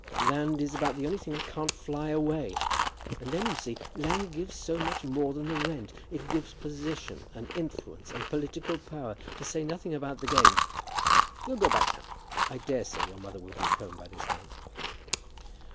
Land is about the only thing that can't fly away. And then, you see, land gives so much more than the rent. It gives position and influence and political power, to say nothing about the game. We'll go back now. I daresay your mother will be at home by this time."